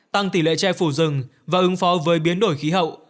tăng tỷ lệ che phủ rừng và ứng phó với biến đổi khí hậu